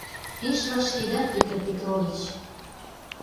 Пеш вашкеда, Петыр Петрович.